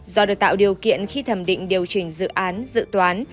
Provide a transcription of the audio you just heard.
do được tạo điều kiện khi thẩm định điều chỉnh dự án dự toán